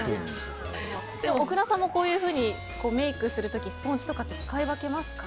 小倉さんもこういうふうにメイクする時スポンジを使い分けますか？